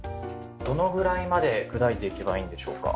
どのぐらいまで砕いていけばいいんでしょうか。